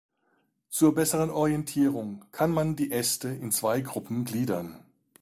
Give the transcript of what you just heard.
Zur besseren Orientierung kann man die Äste in zwei Gruppen gliedern.